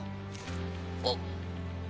あっ！